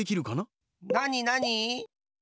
なになに？